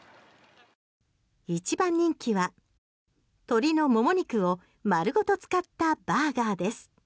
一番人気は鶏のモモ肉を丸ごと使ったバーガーです。